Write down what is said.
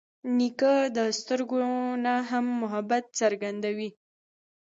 نیکه د سترګو نه هم محبت څرګندوي.